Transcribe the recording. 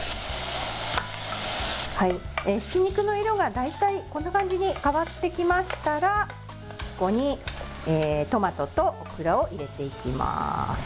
ひき肉の色が大体こんな感じに変わってきましたらそこにトマトとオクラを入れていきます。